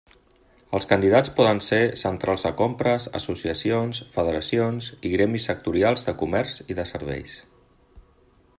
Els candidats poden ser centrals de compres, associacions, federacions i gremis sectorials de comerç i de serveis.